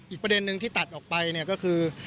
อีกประเด็นนึงที่ตัดออกไปเนี่ยก็คือ